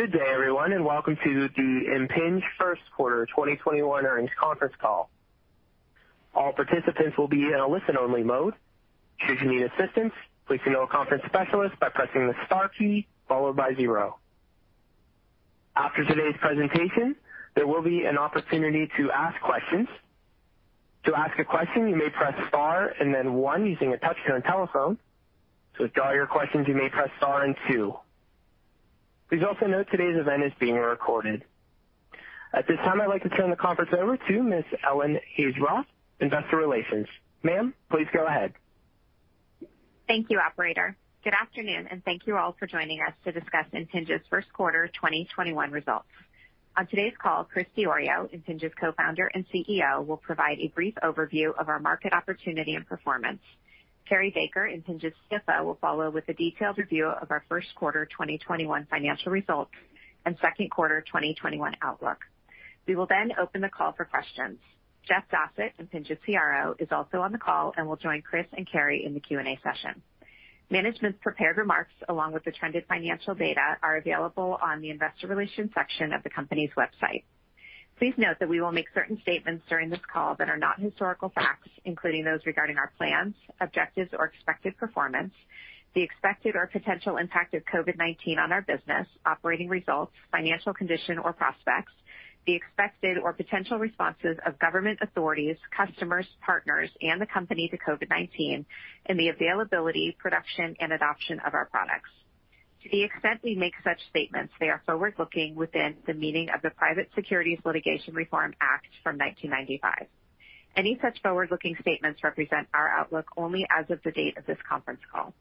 Good day, everyone, and welcome to the Impinj First Quarter 2021 Earnings Conference Call. All participants will be in a listen-only mode. Should you need assistance, please email a conference specialist by pressing the star key followed by zero. After today's presentation, there will be an opportunity to ask questions. To ask a question, you may press star and then one using a touchscreen telephone. To withdraw your questions, you may press star and two. Please also note today's event is being recorded. At this time, I'd like to turn the conference over to Ms. Ellen Hesroff, Investor Relations. Ma'am, please go ahead. Thank you, Operator. Good afternoon, and thank you all for joining us to discuss Impinj's first quarter 2021 results. On today's call, Chris Diorio, Impinj's co-founder and CEO, will provide a brief overview of our market opportunity and performance. Cary Baker, Impinj's CFO, will follow with a detailed review of our first quarter 2021 financial results and second quarter 2021 outlook. We will then open the call for questions. Jeff Dossett, Impinj's CRO, is also on the call and will join Chris and Cary in the Q&A session. Management's prepared remarks, along with the trended financial data, are available on the Investor Relations section of the company's website. Please note that we will make certain statements during this call that are not historical facts, including those regarding our plans, objectives, or expected performance, the expected or potential impact of COVID-19 on our business, operating results, financial condition, or prospects, the expected or potential responses of government authorities, customers, partners, and the company to COVID-19, and the availability, production, and adoption of our products. To the extent we make such statements, they are forward-looking within the meaning of the Private Securities Litigation Reform Act of 1995. Any such forward-looking statements represent our outlook only as of the date of this conference call.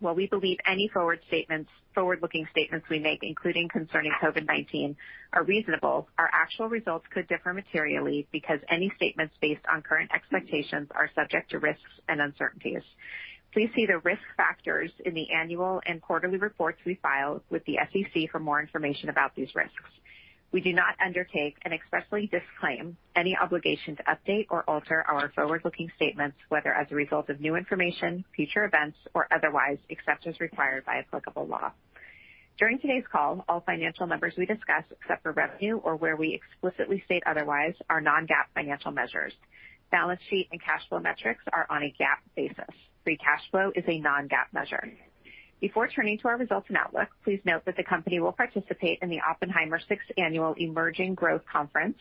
While we believe any forward-looking statements we make, Including concerning COVID-19, are reasonable, our actual results could differ materially because any statements based on current expectations are subject to risks and uncertainties. Please see the risk factors in the annual and quarterly reports we file with the SEC for more information about these risks. We do not undertake and expressly disclaim any obligation to update or alter our forward-looking statements, whether as a result of new information, future events, or otherwise, except as required by applicable law. During today's call, all financial numbers we discuss, except for revenue or where we explicitly state otherwise, are non-GAAP financial measures. Balance sheet and cash flow metrics are on a GAAP basis. Free cash flow is a non-GAAP measure. Before turning to our results and outlook, please note that the company will participate in the Oppenheimer Sixth Annual Emerging Growth Conference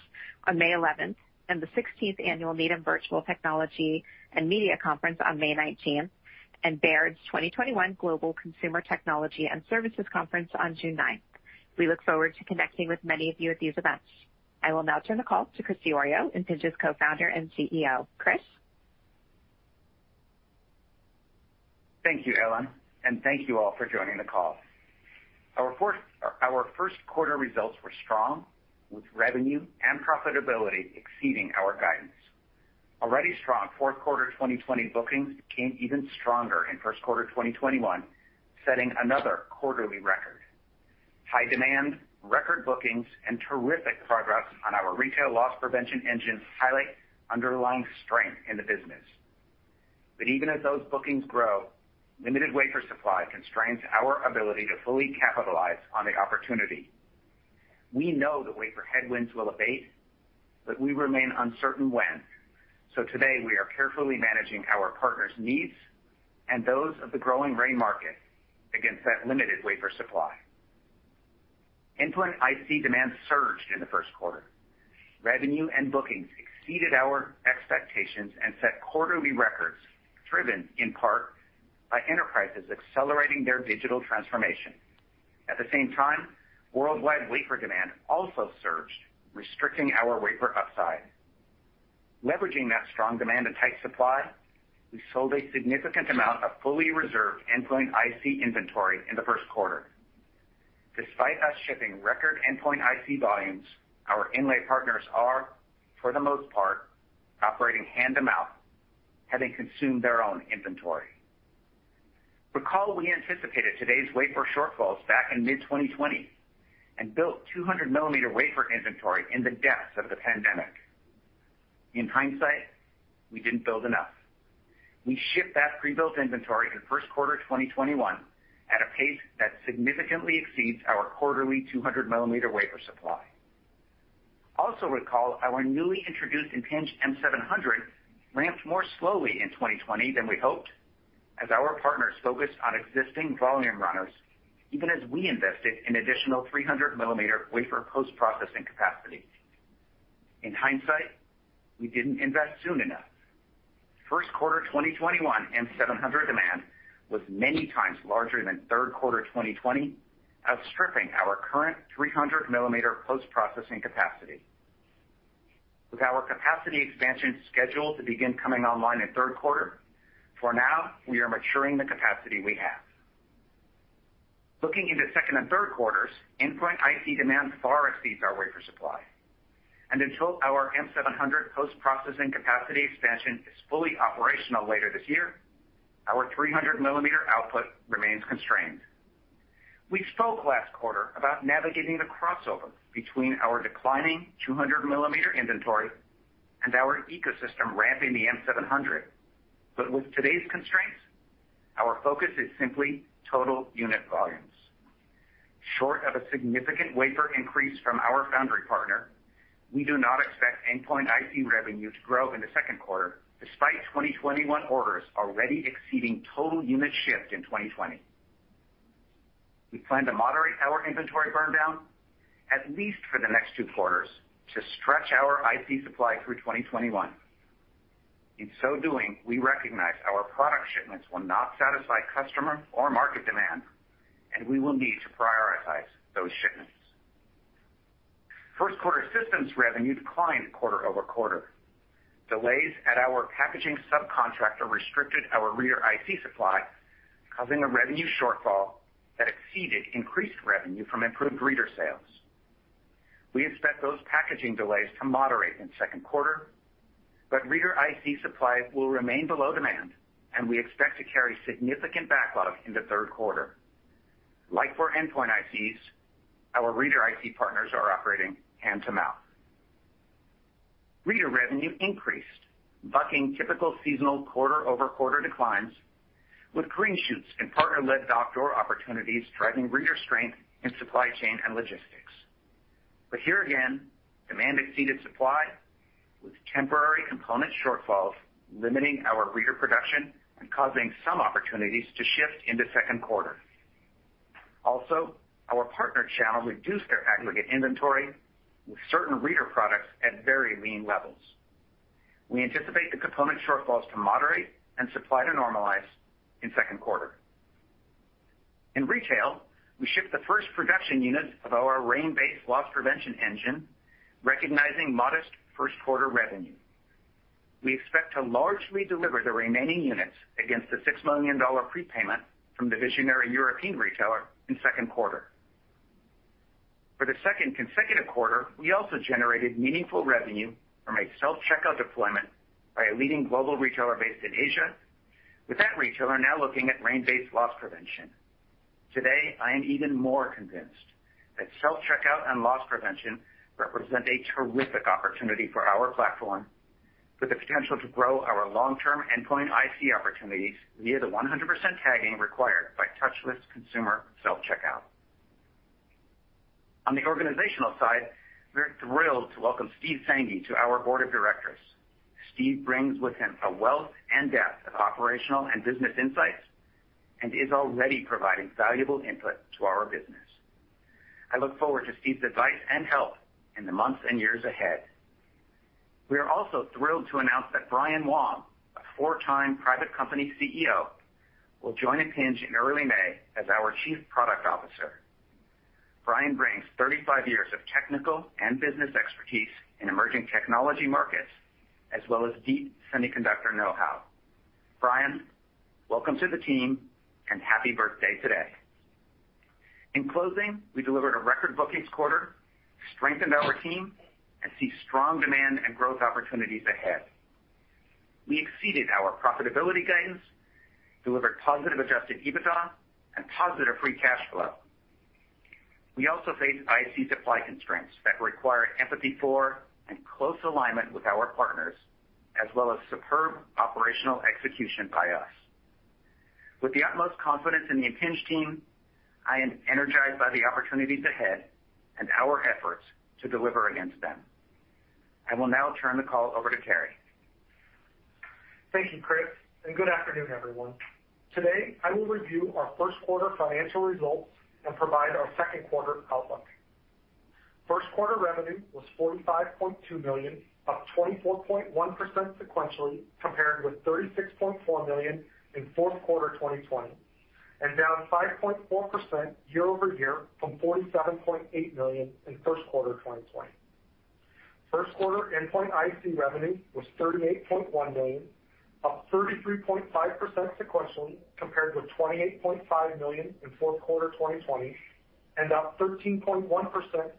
on May 11th and the 16th Annual Needham Virtual Technology and Media Conference on May 19th and Baird's 2021 Global Consumer Technology and Services Conference on June 9th. We look forward to connecting with many of you at these events. I will now turn the call to Chris Diorio, Impinj's Co-founder and CEO. Chris. Thank you, Ellen, and thank you all for joining the call. Our first quarter results were strong, with revenue and profitability exceeding our guidance. Already strong fourth quarter 2020 bookings became even stronger in first quarter 2021, setting another quarterly record. High demand, record bookings, and terrific progress on our retail loss prevention engine highlight underlying strength in the business. But even as those bookings grow, limited wafer supply constrains our ability to fully capitalize on the opportunity. We know that wafer headwinds will abate, but we remain uncertain when. So today, we are carefully managing our partners' needs and those of the growing RAIN market against that limited wafer supply. Endpoint IC demand surged in the first quarter. Revenue and bookings exceeded our expectations and set quarterly records, driven in part by enterprises accelerating their digital transformation. At the same time, worldwide wafer demand also surged, restricting our wafer upside. Leveraging that strong demand and tight supply, we sold a significant amount of fully reserved endpoint IC inventory in the first quarter. Despite us shipping record endpoint IC volumes, our inlay partners are, for the most part, operating hand-to-mouth, having consumed their own inventory. Recall we anticipated today's wafer shortfalls back in mid-2020 and built 200-millimeter wafer inventory in the depths of the pandemic. In hindsight, we didn't build enough. We shipped that pre-built inventory in first quarter 2021 at a pace that significantly exceeds our quarterly 200-millimeter wafer supply. Also recall our newly introduced Impinj M700 ramped more slowly in 2020 than we hoped, as our partners focused on existing volume runners, even as we invested in additional 300-millimeter wafer post-processing capacity. In hindsight, we didn't invest soon enough. First quarter 2021 M700 demand was many times larger than third quarter 2020, outstripping our current 300-millimeter post-processing capacity. With our capacity expansion scheduled to begin coming online in third quarter, for now, we are maturing the capacity we have. Looking into second and third quarters, endpoint IC demand far exceeds our wafer supply, and until our M700 post-processing capacity expansion is fully operational later this year, our 300-millimeter output remains constrained. We spoke last quarter about navigating the crossover between our declining 200-millimeter inventory and our ecosystem ramping the M700, but with today's constraints, our focus is simply total unit volumes. Short of a significant wafer increase from our foundry partner, we do not expect endpoint IC revenue to grow in the second quarter, despite 2021 orders already exceeding total unit shift in 2020. We plan to moderate our inventory burn down, at least for the next two quarters, to stretch our IC supply through 2021. In so doing, we recognize our product shipments will not satisfy customer or market demand, and we will need to prioritize those shipments. First quarter systems revenue declined quarter over quarter. Delays at our packaging subcontractor restricted our reader IC supply, causing a revenue shortfall that exceeded increased revenue from improved reader sales. We expect those packaging delays to moderate in second quarter, but reader IC supply will remain below demand, and we expect to carry significant backlog in the third quarter. Like for endpoint ICs, our reader IC partners are operating hand-to-mouth. Reader revenue increased, bucking typical seasonal quarter-over-quarter declines, with green shoots and partner-led outdoor opportunities driving reader strength in supply chain and logistics. But here again, demand exceeded supply, with temporary component shortfalls limiting our reader production and causing some opportunities to shift into second quarter. Also, our partner channel reduced their aggregate inventory, with certain reader products at very lean levels. We anticipate the component shortfalls to moderate and supply to normalize in second quarter. In retail, we shipped the first production units of our RAIN-based loss prevention engine, recognizing modest first quarter revenue. We expect to largely deliver the remaining units against the $6 million prepayment from the visionary European retailer in second quarter. For the second consecutive quarter, we also generated meaningful revenue from a self-checkout deployment by a leading global retailer based in Asia, with that retailer now looking at RAIN-based loss prevention. Today, I am even more convinced that self-checkout and loss prevention represent a terrific opportunity for our platform, with the potential to grow our long-term endpoint IC opportunities via the 100% tagging required by touchless consumer self-checkout. On the organizational side, we're thrilled to welcome Steve Sanghi to our board of directors. Steve brings with him a wealth and depth of operational and business insights and is already providing valuable input to our business. I look forward to Steve's advice and help in the months and years ahead. We are also thrilled to announce that Brian Wong, a four-time private company CEO, will join Impinj in early May as our Chief Product Officer. Brian brings 35 years of technical and business expertise in emerging technology markets, as well as deep semiconductor know-how. Brian, welcome to the team, and happy birthday today. In closing, we delivered a record bookings quarter, strengthened our team, and see strong demand and growth opportunities ahead. We exceeded our profitability guidance, delivered positive Adjusted EBITDA, and positive Free cash flow. We also faced IC supply constraints that required empathy for and close alignment with our partners, as well as superb operational execution by us. With the utmost confidence in the Impinj team, I am energized by the opportunities ahead and our efforts to deliver against them. I will now turn the call over to Cary. Thank you, Chris, and good afternoon, everyone. Today, I will review our first quarter financial results and provide our second quarter outlook. First quarter revenue was $45.2 million, up 24.1% sequentially, compared with $36.4 million in fourth quarter 2020, and down 5.4% year over year from $47.8 million in first quarter 2020. First quarter endpoint IC revenue was $38.1 million, up 33.5% sequentially, compared with $28.5 million in fourth quarter 2020, and up 13.1%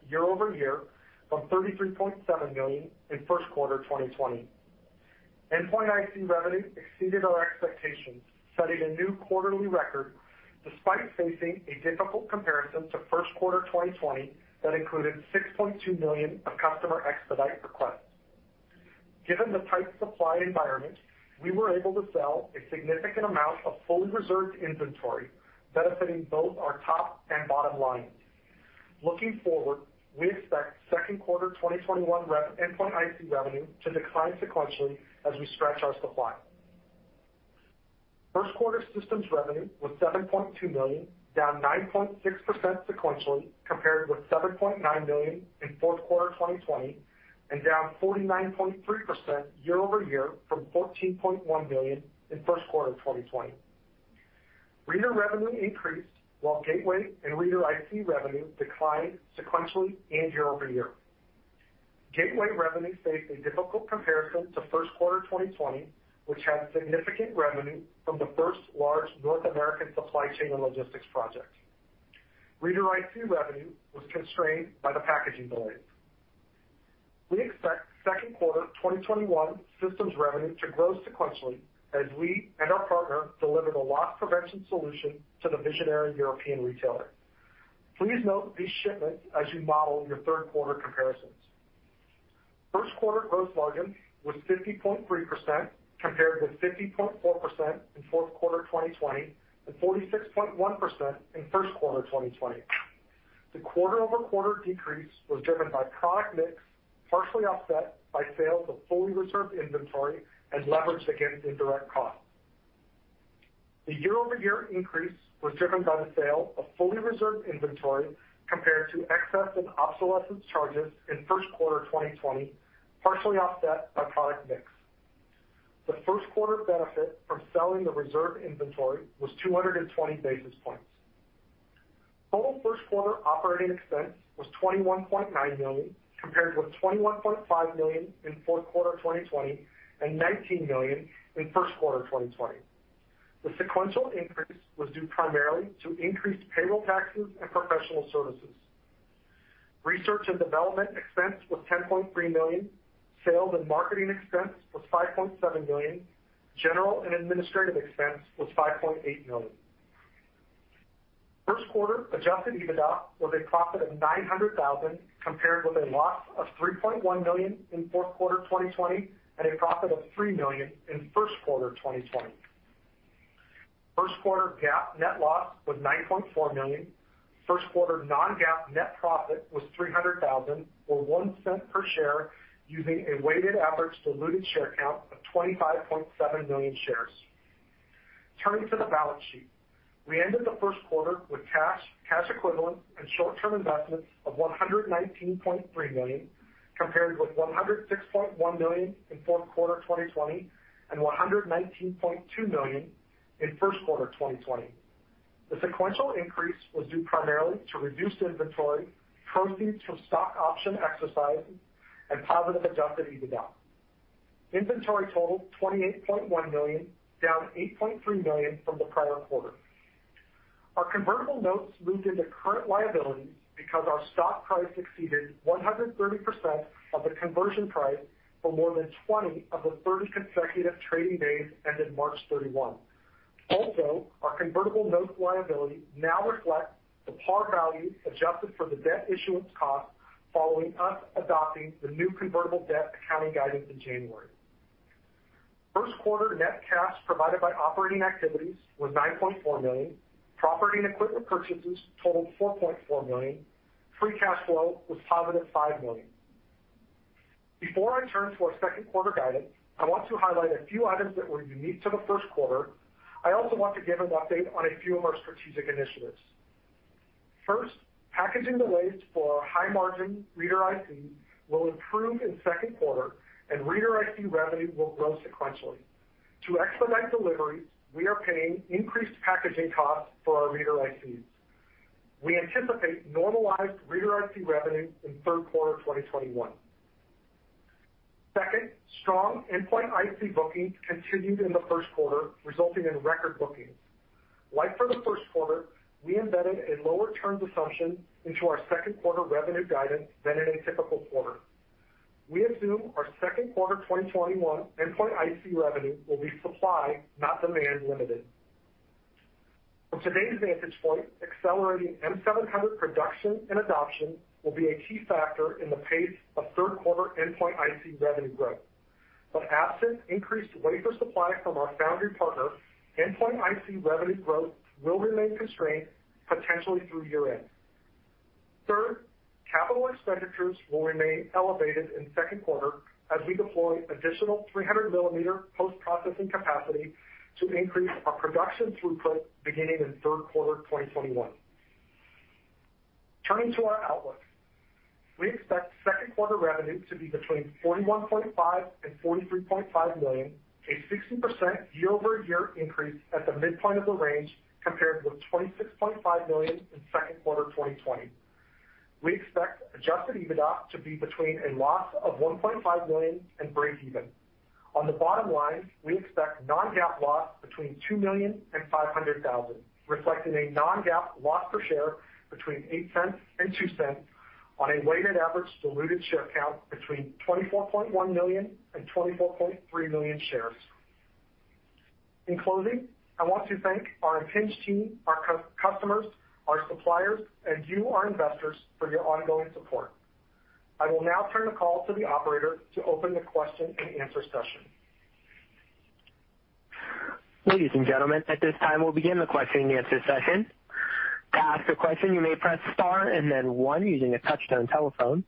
year over year from $33.7 million in first quarter 2020. End-to-end IC revenue exceeded our expectations, setting a new quarterly record despite facing a difficult comparison to first quarter 2020 that included $6.2 million of customer expedite requests. Given the tight supply environment, we were able to sell a significant amount of fully reserved inventory, benefiting both our top and bottom line. Looking forward, we expect second quarter 2021 endpoint IC revenue to decline sequentially as we stretch our supply. First quarter systems revenue was $7.2 million, down 9.6% sequentially, compared with $7.9 million in fourth quarter 2020, and down 49.3% year over year from $14.1 million in first quarter 2020. Reader revenue increased while gateway and reader IC revenue declined sequentially and year over year. Gateway revenue faced a difficult comparison to first quarter 2020, which had significant revenue from the first large North American supply chain and logistics project. Reader IC revenue was constrained by the packaging delays. We expect second quarter 2021 systems revenue to grow sequentially as we and our partner deliver the loss prevention solution to the visionary European retailer. Please note these shipments as you model your third quarter comparisons. First quarter gross margin was 50.3%, compared with 50.4% in fourth quarter 2020 and 46.1% in first quarter 2020. The quarter-over-quarter decrease was driven by product mix, partially offset by sales of fully reserved inventory and leveraged against indirect costs. The year-over-year increase was driven by the sale of fully reserved inventory compared to excess and obsolescence charges in first quarter 2020, partially offset by product mix. The first quarter benefit from selling the reserved inventory was 220 basis points. Total first quarter operating expense was $21.9 million, compared with $21.5 million in fourth quarter 2020 and $19 million in first quarter 2020. The sequential increase was due primarily to increased payroll taxes and professional services. Research and development expense was $10.3 million. Sales and marketing expense was $5.7 million. General and administrative expense was $5.8 million. First quarter Adjusted EBITDA was a profit of $900,000, compared with a loss of $3.1 million in fourth quarter 2020 and a profit of $3 million in first quarter 2020. First quarter GAAP net loss was $9.4 million. First quarter non-GAAP net profit was $300,000 or $0.01 per share, using a weighted average diluted share count of 25.7 million shares. Turning to the balance sheet, we ended the first quarter with cash, cash equivalents, and short-term investments of $119.3 million, compared with $106.1 million in fourth quarter 2020 and $119.2 million in first quarter 2020. The sequential increase was due primarily to reduced inventory, proceeds from stock option exercise, and positive Adjusted EBITDA. Inventory totaled $28.1 million, down $8.3 million from the prior quarter. Our convertible notes moved into current liabilities because our stock price exceeded 130% of the conversion price for more than 20 of the 30 consecutive trading days ended March 31. Also, our convertible note liability now reflects the par value adjusted for the debt issuance cost following us adopting the new convertible debt accounting guidance in January. First quarter net cash provided by operating activities was $9.4 million. Property and equipment purchases totaled $4.4 million. Free cash flow was positive $5 million. Before I turn to our second quarter guidance, I want to highlight a few items that were unique to the first quarter. I also want to give an update on a few of our strategic initiatives. First, packaging delays for our high-margin reader IC will improve in second quarter, and reader IC revenue will grow sequentially. To expedite deliveries, we are paying increased packaging costs for our reader ICs. We anticipate normalized reader IC revenue in third quarter 2021. Second, strong endpoint IC bookings continued in the first quarter, resulting in record bookings. Like for the first quarter, we embedded a lower terms assumption into our second quarter revenue guidance than in a typical quarter. We assume our second quarter 2021 endpoint IC revenue will be supply, not demand limited. From today's vantage point, accelerating M700 production and adoption will be a key factor in the pace of third quarter endpoint IC revenue growth. But absent increased wafer supply from our foundry partner, endpoint IC revenue growth will remain constrained, potentially through year-end. Third, capital expenditures will remain elevated in second quarter as we deploy additional 300-millimeter post-processing capacity to increase our production throughput beginning in third quarter 2021. Turning to our outlook, we expect second quarter revenue to be between $41.5 million and $43.5 million, a 60% year-over-year increase at the midpoint of the range compared with $26.5 million in second quarter 2020. We expect Adjusted EBITDA to be between a loss of $1.5 million and breakeven. On the bottom line, we expect non-GAAP loss between $2 million and $500,000, reflecting a non-GAAP loss per share between $0.08 and $0.02 on a weighted average diluted share count between 24.1 million and 24.3 million shares. In closing, I want to thank our Impinj team, our customers, our suppliers, and you, our investors, for your ongoing support. I will now turn the call to the operator to open the question and answer session. Ladies and gentlemen, at this time, we'll begin the question and answer session. To ask a question, you may press star and then one using a touch-tone telephone.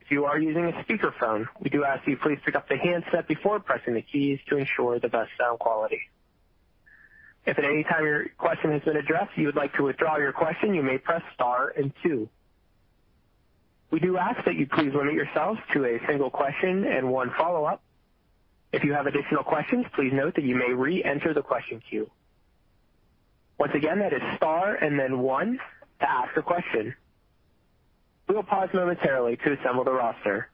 If you are using a speakerphone, we do ask that you please pick up the handset before pressing the keys to ensure the best sound quality. If at any time your question has been addressed, you would like to withdraw your question, you may press star and two. We do ask that you please limit yourself to a single question and one follow-up. If you have additional questions, please note that you may re-enter the question queue. Once again, that is star and then one to ask a question. We will pause momentarily to assemble the roster,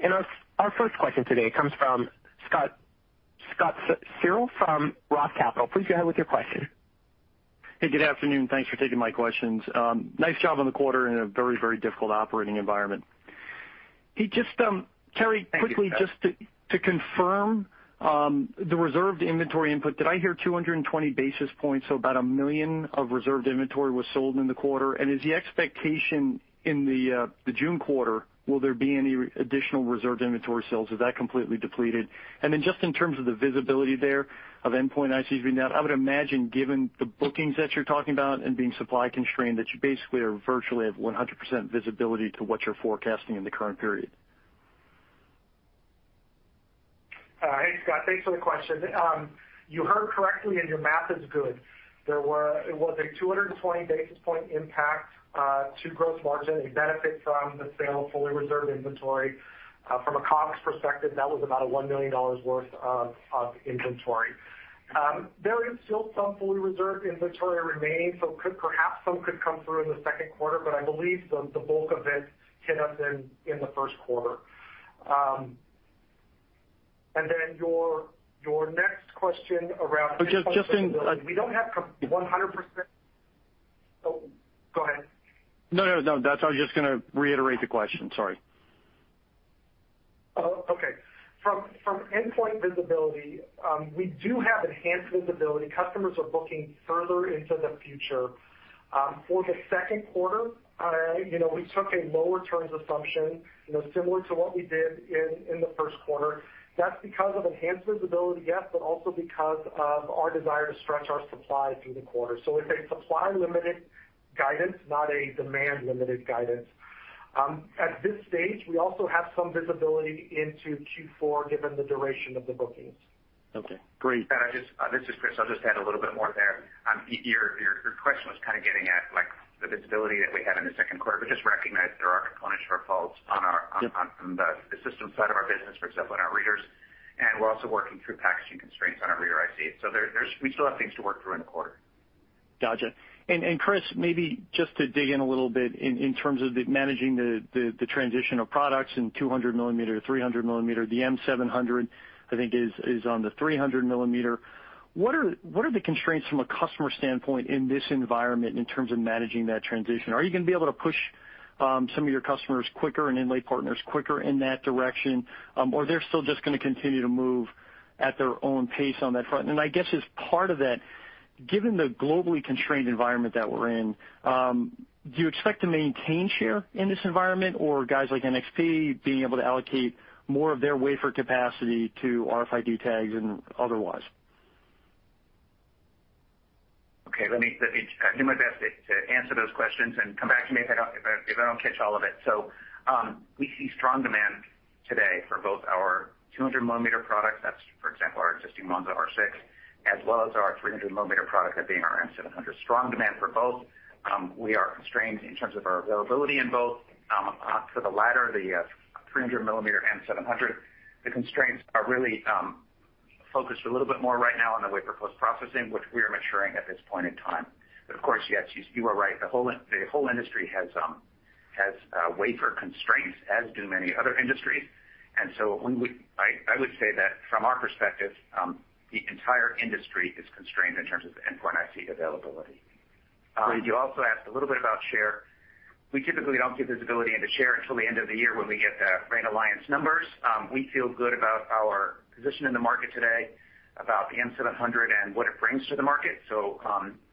and our first question today comes from Scott Searle from Roth Capital. Please go ahead with your question. Hey, good afternoon. Thanks for taking my questions. Nice job on the quarter in a very, very difficult operating environment. Hey, just, Cary, quickly just to confirm the reserved inventory input, did I hear 220 basis points, so about a million of reserved inventory was sold in the quarter? And is the expectation in the June quarter, will there be any additional reserved inventory sales? Is that completely depleted? And then just in terms of the visibility there of endpoint ICs being out, I would imagine given the bookings that you're talking about and being supply constrained, that you basically are virtually at 100% visibility to what you're forecasting in the current period. Hey, Scott, thanks for the question. You heard correctly, and your math is good. There was a 220 basis points impact to gross margin. It benefits from the sale of fully reserved inventory. From a cost perspective, that was about a $1 million worth of inventory. There is still some fully reserved inventory remaining, so perhaps some could come through in the second quarter, but I believe the bulk of it hit us in the first quarter. And then your next question around. We don't have 100%. Oh, go ahead. No, no, no. I was just going to reiterate the question. Sorry. Oh, okay. From end-to-end visibility, we do have enhanced visibility. Customers are booking further into the future. For the second quarter, we took a lower terms assumption similar to what we did in the first quarter. That's because of enhanced visibility, yes, but also because of our desire to stretch our supply through the quarter. So it's a supply-limited guidance, not a demand-limited guidance. At this stage, we also have some visibility into Q4 given the duration of the bookings. Okay. Great. This is Chris. I'll just add a little bit more there. Your question was kind of getting at the visibility that we had in the second quarter, but just recognize there are component shortfalls on the system side of our business, for example, in our readers. We're also working through packaging constraints on our Reader IC. So we still have things to work through in the quarter. Gotcha, and Chris, maybe just to dig in a little bit in terms of managing the transition of products and 200-millimeter, 300-millimeter. The M700, I think, is on the 300-millimeter. What are the constraints from a customer standpoint in this environment in terms of managing that transition? Are you going to be able to push some of your customers quicker and inlay partners quicker in that direction, or they're still just going to continue to move at their own pace on that front? And I guess as part of that, given the globally constrained environment that we're in, do you expect to maintain share in this environment or guys like NXP being able to allocate more of their wafer capacity to RFID tags and otherwise? Okay. I'll do my best to answer those questions and come back to me if I don't catch all of it. So we see strong demand today for both our 200-millimeter products, that's, for example, our existing Monza R6, as well as our 300-millimeter product that being our M700. Strong demand for both. We are constrained in terms of our availability in both. For the latter, the 300-millimeter M700, the constraints are really focused a little bit more right now on the wafer post-processing, which we are maturing at this point in time. But of course, yes, you are right. The whole industry has wafer constraints, as do many other industries. And so I would say that from our perspective, the entire industry is constrained in terms of endpoint IC availability. You also asked a little bit about share. We typically don't get visibility into share until the end of the year when we get the RAIN Alliance numbers. We feel good about our position in the market today, about the M700 and what it brings to the market. So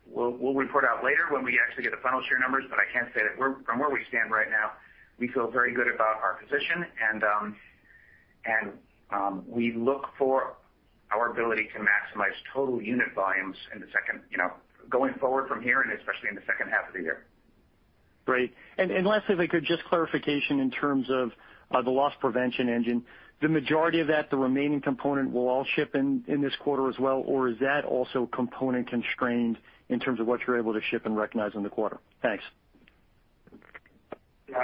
we'll report out later when we actually get the final share numbers, but I can say that from where we stand right now, we feel very good about our position, and we look for our ability to maximize total unit volumes in the second half going forward from here and especially in the second half of the year. Great. And lastly, if I could, just clarification in terms of the Loss Prevention Engine. The majority of that, the remaining component will all ship in this quarter as well, or is that also component constrained in terms of what you're able to ship and recognize in the quarter? Thanks. Yeah.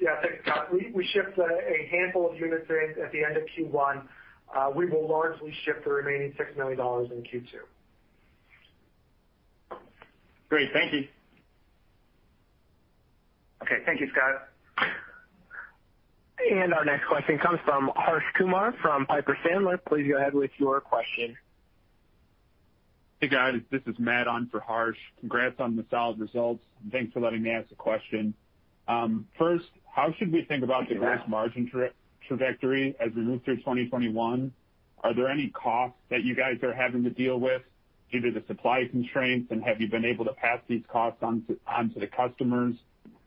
Yeah, thanks, Scott. We shipped a handful of units at the end of Q1. We will largely ship the remaining $6 million in Q2. Great. Thank you. Okay. Thank you, Scott. And our next question comes from Harsh Kumar from Piper Sandler. Please go ahead with your question. Hey, guys. This is Matt on for Harsh. Congrats on the solid results. Thanks for letting me ask the question. First, how should we think about the gross margin trajectory as we move through 2021? Are there any costs that you guys are having to deal with, either the supply constraints, and have you been able to pass these costs onto the customers?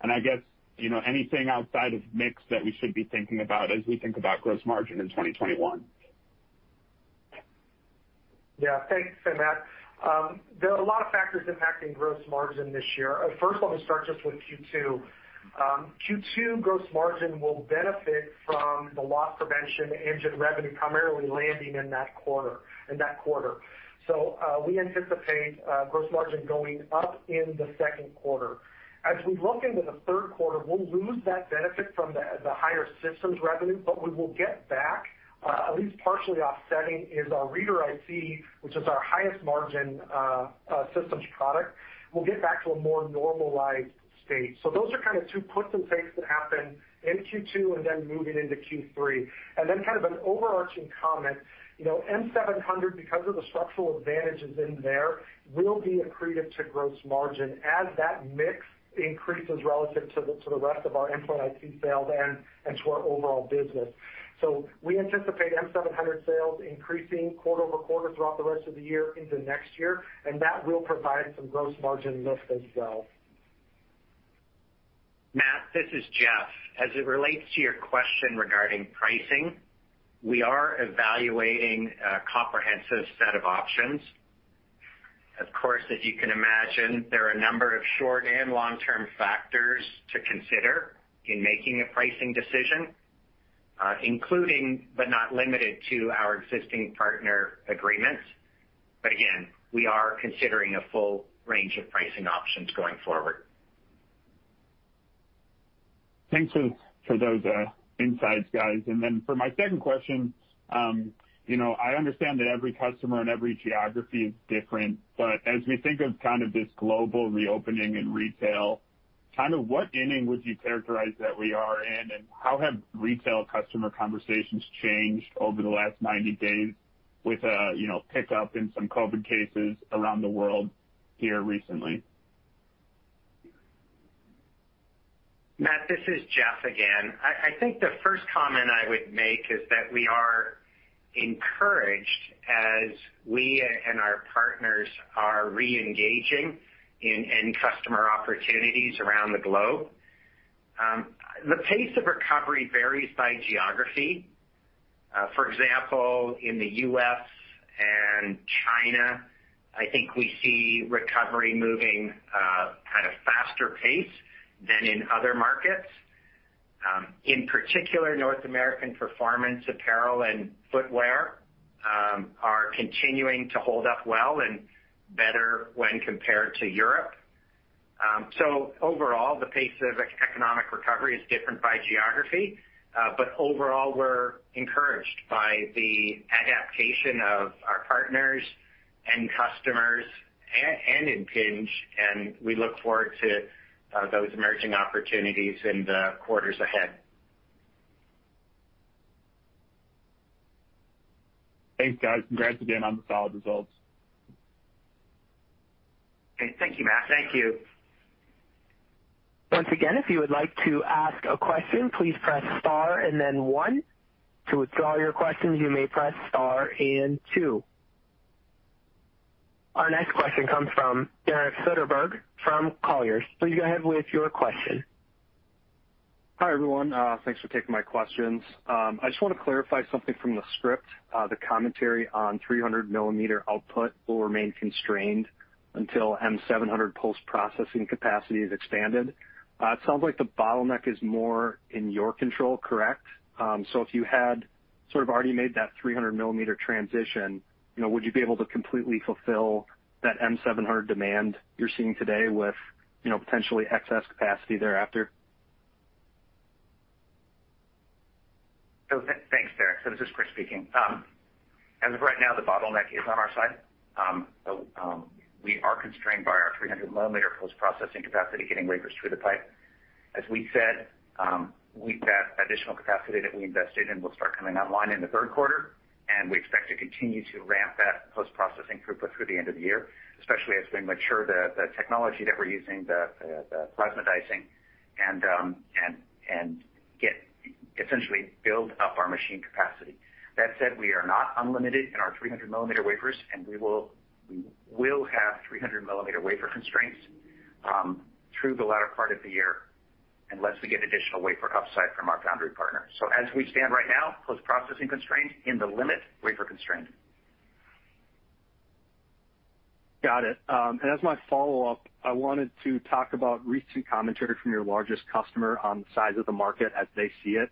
And I guess anything outside of mix that we should be thinking about as we think about gross margin in 2021? Yeah. Thanks, Matt. There are a lot of factors impacting gross margin this year. First, let me start just with Q2. Q2 gross margin will benefit from the Loss Prevention Engine revenue primarily landing in that quarter. So we anticipate gross margin going up in the second quarter. As we look into the third quarter, we'll lose that benefit from the higher systems revenue, but we will get back. At least partially offsetting is our reader IC, which is our highest margin systems product. We'll get back to a more normalized state. So those are kind of two puts and takes that happen in Q2 and then moving into Q3. And then kind of an overarching comment, M700, because of the structural advantages in there, will be accretive to gross margin as that mix increases relative to the rest of our endpoint IC sales and to our overall business. We anticipate M700 sales increasing quarter over quarter throughout the rest of the year into next year, and that will provide some gross margin lift as well. Matt, this is Jeff. As it relates to your question regarding pricing, we are evaluating a comprehensive set of options. Of course, as you can imagine, there are a number of short- and long-term factors to consider in making a pricing decision, including but not limited to our existing partner agreements. But again, we are considering a full range of pricing options going forward. Thanks for those insights, guys. And then for my second question, I understand that every customer and every geography is different, but as we think of kind of this global reopening in retail, kind of what inning would you characterize that we are in, and how have retail customer conversations changed over the last 90 days with a pickup in some COVID cases around the world here recently? Matt, this is Jeff again. I think the first comment I would make is that we are encouraged as we and our partners are re-engaging in end-customer opportunities around the globe. The pace of recovery varies by geography. For example, in the U.S. and China, I think we see recovery moving at a faster pace than in other markets. In particular, North American performance apparel and footwear are continuing to hold up well and better when compared to Europe. So overall, the pace of economic recovery is different by geography, but overall, we're encouraged by the adaptation of our partners and customers and Impinj, and we look forward to those emerging opportunities in the quarters ahead. Thanks, guys. Congrats again on the solid results. Okay. Thank you, Matt. Thank you. Once again, if you would like to ask a question, please press star and then one. To withdraw your questions, you may press star and two. Our next question comes from Derek Soderberg from Colliers. Please go ahead with your question. Hi, everyone. Thanks for taking my questions. I just want to clarify something from the script. The commentary on 300-millimeter output will remain constrained until M700 post-processing capacity is expanded. It sounds like the bottleneck is more in your control, correct? So if you had sort of already made that 300-millimeter transition, would you be able to completely fulfill that M700 demand you're seeing today with potentially excess capacity thereafter? Thanks, Derek. So this is Chris speaking. As of right now, the bottleneck is on our side. We are constrained by our 300-millimeter post-processing capacity getting wafers through the pipe. As we said, that additional capacity that we invested in will start coming online in the third quarter, and we expect to continue to ramp that post-processing throughput through the end of the year, especially as we mature the technology that we're using, the plasma dicing, and essentially build up our machine capacity. That said, we are not unlimited in our 300-millimeter wafers, and we will have 300-millimeter wafer constraints through the latter part of the year unless we get additional wafer upside from our foundry partner. So as we stand right now, post-processing constraint and the limited wafer constraint. Got it. And as my follow-up, I wanted to talk about recent commentary from your largest customer on the size of the market as they see it.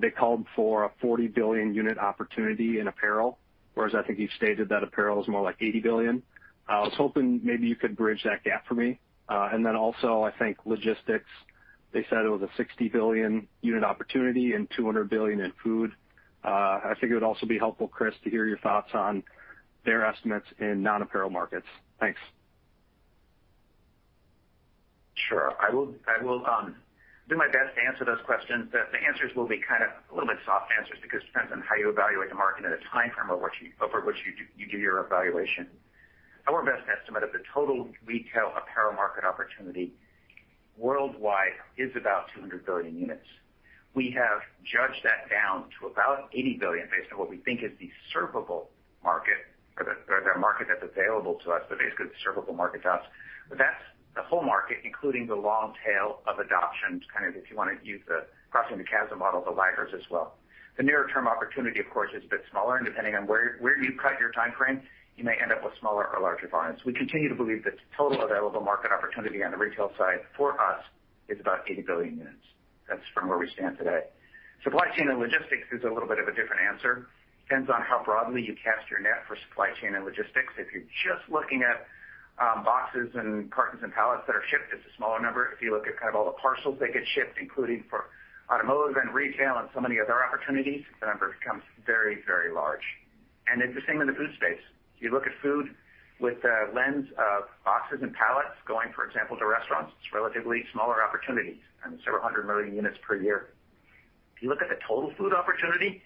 They called for a 40 billion unit opportunity in apparel, whereas I think you've stated that apparel is more like 80 billion. I was hoping maybe you could bridge that gap for me. And then also, I think logistics, they said it was a 60 billion unit opportunity and 200 billion in food. I figured it would also be helpful, Chris, to hear your thoughts on their estimates in non-apparel markets. Thanks. Sure. I will do my best to answer those questions. The answers will be kind of a little bit soft answers because it depends on how you evaluate the market at a time frame over which you do your evaluation. Our best estimate of the total retail apparel market opportunity worldwide is about 200 billion units. We have judged that down to about 80 billion based on what we think is the servable market or the market that's available to us, basically the servable market to us. But that's the whole market, including the long tail of adoption, kind of if you want to use the crossing the chasm model, the laggards as well. The nearer-term opportunity, of course, is a bit smaller, and depending on where you cut your time frame, you may end up with smaller or larger volumes. We continue to believe that the total available market opportunity on the retail side for us is about 80 billion units. That's from where we stand today. Supply chain and logistics is a little bit of a different answer. It depends on how broadly you cast your net for supply chain and logistics. If you're just looking at boxes and cartons and pallets that are shipped, it's a smaller number. If you look at kind of all the parcels that get shipped, including for automotive and retail and so many other opportunities, the number becomes very, very large, and it's the same in the food space. If you look at food with the lens of boxes and pallets going, for example, to restaurants, it's relatively smaller opportunities and several hundred million units per year. If you look at the total food opportunity,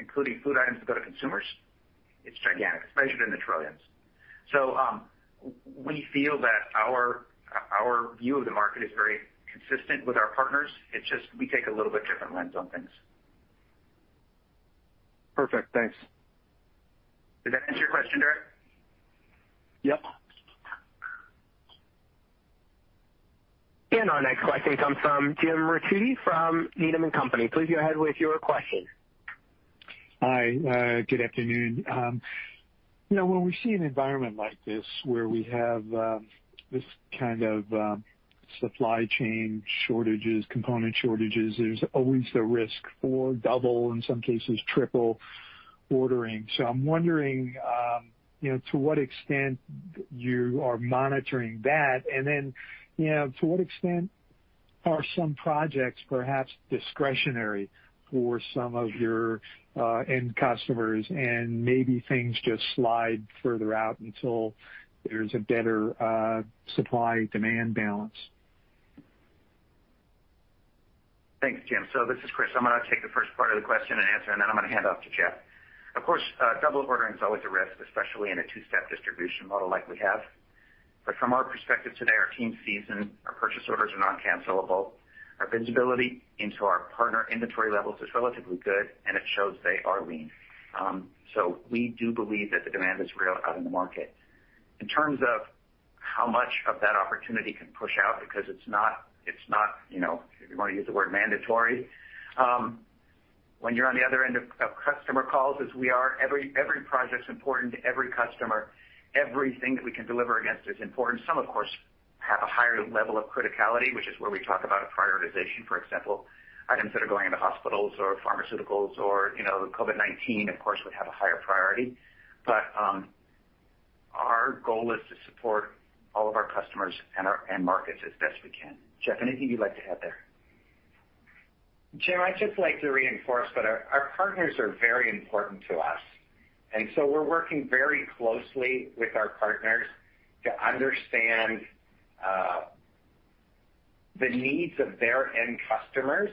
including food items that go to consumers, it's gigantic. It's measured in the trillions. So we feel that our view of the market is very consistent with our partners. It's just we take a little bit different lens on things. Perfect. Thanks. Did that answer your question, Derek? Yep. Our next question comes from Jim Ricchiuti from Needham & Company. Please go ahead with your question. Hi. Good afternoon. When we see an environment like this where we have this kind of supply chain shortages, component shortages, there's always the risk for double, in some cases, triple ordering. So I'm wondering to what extent you are monitoring that, and then to what extent are some projects perhaps discretionary for some of your end customers, and maybe things just slide further out until there's a better supply-demand balance? Thanks, Jim. So this is Chris. I'm going to take the first part of the question and answer, and then I'm going to hand it off to Jeff. Of course, double ordering is always a risk, especially in a two-step distribution model like we have. But from our perspective today, our team sees our purchase orders are non-cancelable. Our visibility into our partner inventory levels is relatively good, and it shows they are lean. So we do believe that the demand is real out in the market. In terms of how much of that opportunity can push out, because it's not, if you want to use the word, mandatory, when you're on the other end of customer calls as we are, every project's important to every customer. Everything that we can deliver against is important. Some, of course, have a higher level of criticality, which is where we talk about prioritization, for example, items that are going into hospitals or pharmaceuticals or COVID-19, of course, would have a higher priority. But our goal is to support all of our customers and markets as best we can. Jeff, anything you'd like to add there? Jim, I'd just like to reinforce that our partners are very important to us. And so we're working very closely with our partners to understand the needs of their end customers.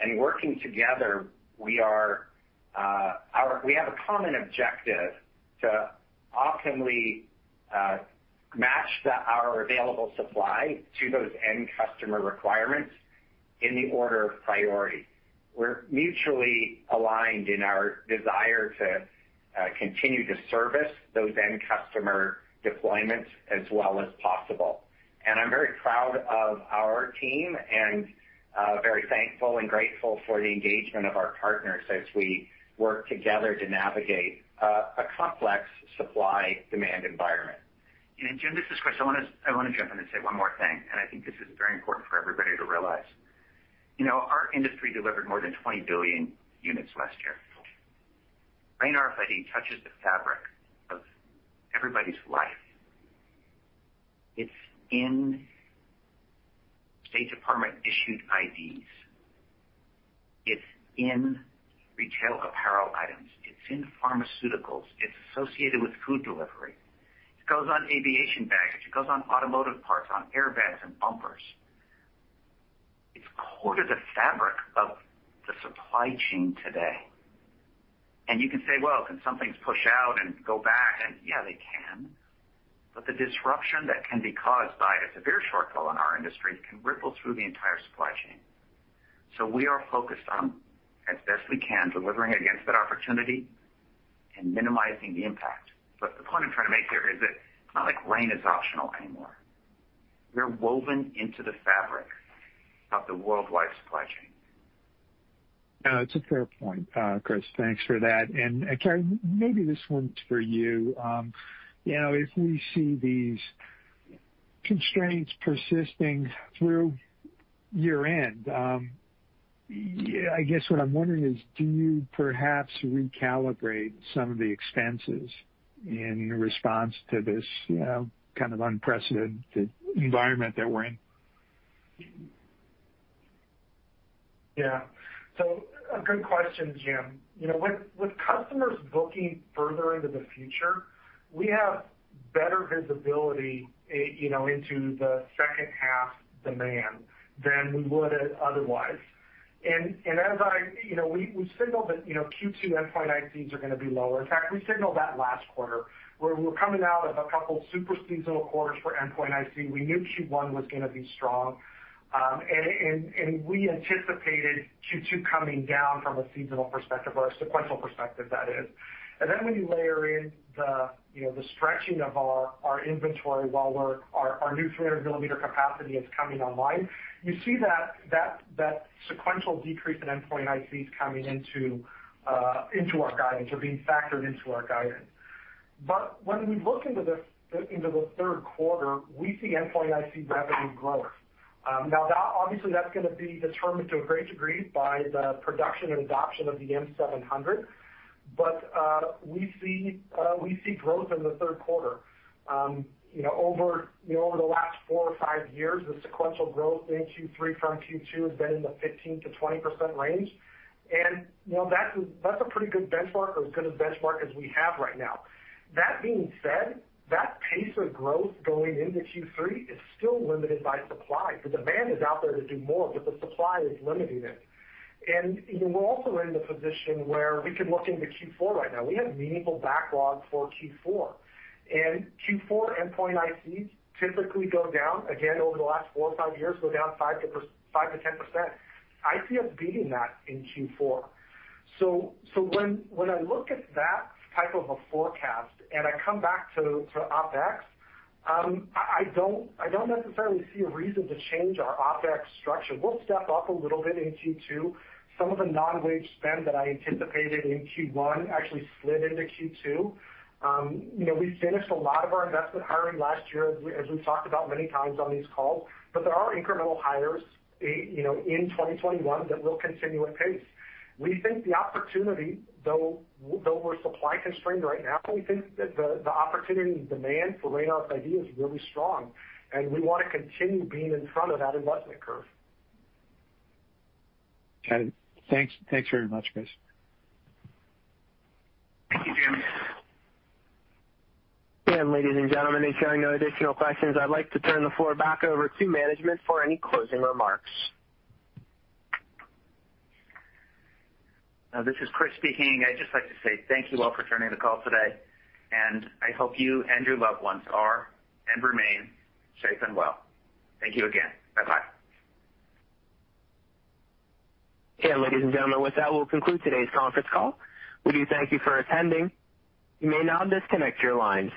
And working together, we have a common objective to optimally match our available supply to those end customer requirements in the order of priority. We're mutually aligned in our desire to continue to service those end customer deployments as well as possible. I'm very proud of our team and very thankful and grateful for the engagement of our partners as we work together to navigate a complex supply-demand environment. Jim, this is Chris. I want to jump in and say one more thing, and I think this is very important for everybody to realize. Our industry delivered more than 20 billion units last year. RAIN RFID touches the fabric of everybody's life. It's in State Department-issued IDs. It's in retail apparel items. It's in pharmaceuticals. It's associated with food delivery. It goes on aviation baggage. It goes on automotive parts, on airbags and bumpers. It's core to the fabric of the supply chain today. You can say, "Well, can some things push out and go back?" Yeah, they can. But the disruption that can be caused by a severe shortfall in our industry can ripple through the entire supply chain. So we are focused on, as best we can, delivering against that opportunity and minimizing the impact. But the point I'm trying to make here is that it's not like RAIN is optional anymore. We're woven into the fabric of the worldwide supply chain. That's a fair point, Chris. Thanks for that. And Cary, maybe this one's for you. If we see these constraints persisting through year-end, I guess what I'm wondering is, do you perhaps recalibrate some of the expenses in response to this kind of unprecedented environment that we're in? Yeah. So a good question, Jim. With customers booking further into the future, we have better visibility into the second-half demand than we would otherwise. And as we signaled that Q2 endpoint ICs are going to be lower, in fact, we signaled that last quarter where we were coming out of a couple of super seasonal quarters for endpoint IC. We knew Q1 was going to be strong, and we anticipated Q2 coming down from a seasonal perspective or a sequential perspective, that is. And then when you layer in the stretching of our inventory while our new 300-millimeter capacity is coming online, you see that sequential decrease in endpoint ICs coming into our guidance or being factored into our guidance. But when we look into the third quarter, we see endpoint IC revenue growth. Now, obviously, that's going to be determined to a great degree by the production and adoption of the M700, but we see growth in the third quarter. Over the last four or five years, the sequential growth in Q3 from Q2 has been in the 15%-20% range, and that's a pretty good benchmark or as good a benchmark as we have right now. That being said, that pace of growth going into Q3 is still limited by supply. The demand is out there to do more, but the supply is limiting it, and we're also in the position where we can look into Q4 right now. We have meaningful backlog for Q4, and Q4 endpoint ICs typically go down, again, over the last four or five years, go down 5%-10%. ICs [are] beating that in Q4. When I look at that type of a forecast and I come back to OpEx, I don't necessarily see a reason to change our OpEx structure. We'll step up a little bit in Q2. Some of the non-wage spend that I anticipated in Q1 actually slid into Q2. We finished a lot of our investment hiring last year, as we've talked about many times on these calls, but there are incremental hires in 2021 that will continue at pace. We think the opportunity, though we're supply constrained right now, we think that the opportunity and demand for RAIN RFID is really strong, and we want to continue being in front of that investment curve. Got it. Thanks very much, Chris. Thank you, Jim. Ladies and gentlemen, if you have no additional questions, I'd like to turn the floor back over to management for any closing remarks. Now, this is Chris speaking. I'd just like to say thank you all for joining the call today, and I hope you and your loved ones are and remain safe and well. Thank you again. Bye-bye. And ladies and gentlemen, with that, we'll conclude today's conference call. We do thank you for attending. You may now disconnect your lines.